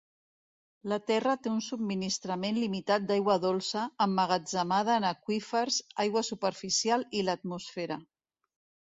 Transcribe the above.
La Terra té un subministrament limitat d’aigua dolça, emmagatzemada en aqüífers, aigua superficial i l’atmosfera.